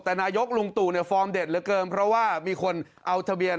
แต่นายกลุงตู่เนี่ยฟอร์มเด็ดเหลือเกินเพราะว่ามีคนเอาทะเบียน